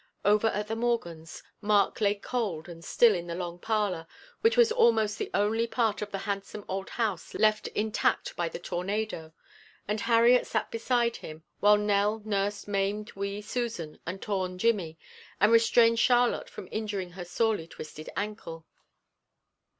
Over at the Morgans Mark lay cold and still in the long parlor, which was almost the only part of the handsome old house left intact by the tornado, and Harriet sat beside him while Nell nursed maimed wee Susan and torn Jimmy, and restrained Charlotte from injuring her sorely twisted ankle.